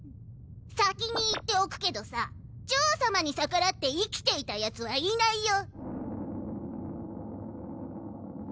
先に言っておくけどさジョー様に逆らって生きていたヤツはいないよ。